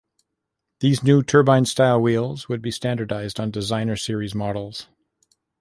These new Turbine Style wheels would be standard on Designer Series models.